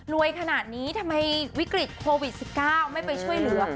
ขนาดนี้ทำไมวิกฤตโควิด๑๙ไม่ไปช่วยเหลือ